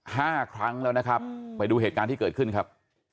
ห้าครั้งแล้วนะครับไปดูเหตุการณ์ที่เกิดขึ้นครับ